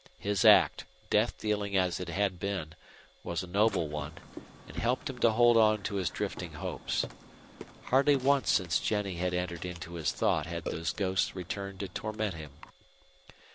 His act, death dealing as it had been, was a noble one, and helped him to hold on to his drifting hopes. Hardly once since Jennie had entered into his thought had those ghosts returned to torment him.